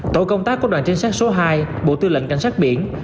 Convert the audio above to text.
tổ công tác của đoàn trinh sát số hai bộ tư lệnh cảnh sát biển